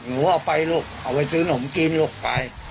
หนูเอาไปลูกเอาไปซื้อนมกินลูกไป